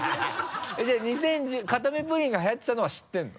じゃあ固めプリンがはやってたのは知ってるの？